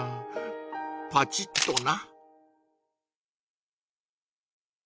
パチッとな。